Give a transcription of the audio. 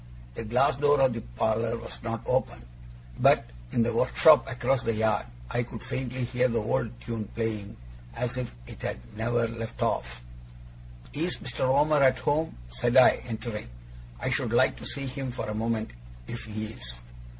The glass door of the parlour was not open; but in the workshop across the yard I could faintly hear the old tune playing, as if it had never left off. 'Is Mr. Omer at home?' said I, entering. 'I should like to see him, for a moment, if he is.